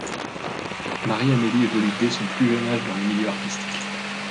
Marie-Amélie évolue dès son plus jeune âge dans le milieu artistique.